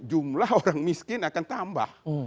jumlah orang miskin akan tambah